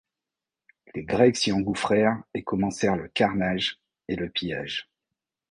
Les Grecs s'y engouffrèrent et commencèrent le carnage et le pillage.